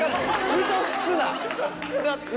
うそつくなって。